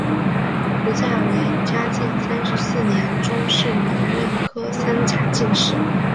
胡价为嘉靖三十四年中式壬戌科三甲进士。